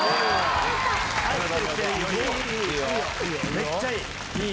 めっちゃいい！